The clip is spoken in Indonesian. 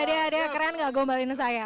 dia keren gak ngombalin saya